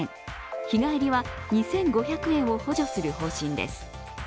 日帰りは２５００円を補助する方針です。